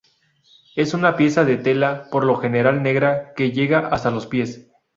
Es una pieza de tela, por lo general negra, que llega hasta los pies.